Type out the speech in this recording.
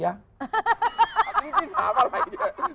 อันนี้ที่ถามอะไรเนี่ย